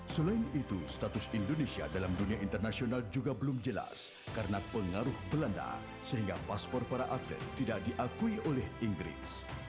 selain itu status indonesia dalam dunia internasional juga belum jelas karena pengaruh belanda sehingga paspor para atlet tidak diakui oleh inggris